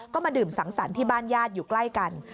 ก็มาดื่มสังสรรค์ที่บ้านญาติอยู่ใกล้กัน